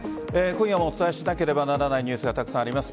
今夜もお伝えしなければならないニュースがたくさんあります。